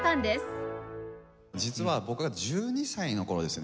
実は僕が１２歳の頃ですね